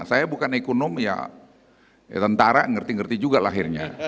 saya bukan ekonom ya tentara ngerti ngerti juga lahirnya